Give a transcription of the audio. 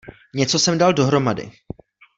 Něco jsem dal dohromady.